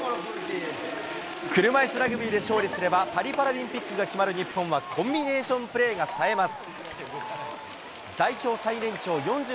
車いすラグビーで勝利すれば、パリパラリンピックが決まる日本はコンビネーションプレーがさえます。